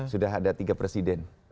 sudah ada tiga presiden